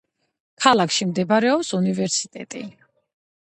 ქალაქში მდებარეობს უნივერსიტეტი.